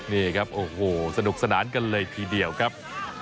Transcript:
นี่ครับโอ้โหสนุกสนานกันเลยทีเดียวครับ